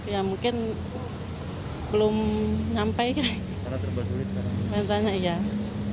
ya mungkin belum nyampai